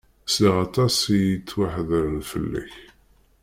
Sliɣ aṭas i yettwahedren fell-ak.